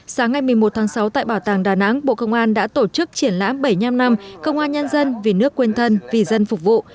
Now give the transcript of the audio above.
sáng ngày một mươi một tháng sáu tại bảo tàng đà nẵng bộ công an đã tổ chức triển lãm bảy mươi năm năm công an nhân dân vì nước quên thân vì dân phục vụ